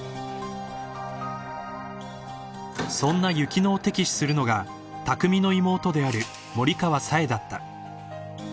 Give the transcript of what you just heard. ［そんな雪乃を敵視するのが拓未の妹である森川紗英だった］